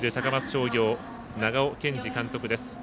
商業長尾健司監督です。